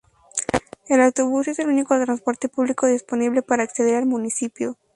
El autobús es el único transporte público disponible para acceder al municipio.